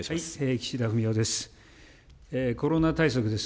岸田文雄です。